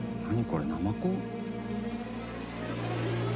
これナマコ？